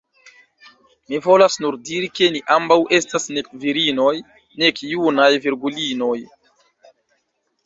Mi volas nur diri, ke ni ambaŭ estas nek virinoj, nek junaj virgulinoj.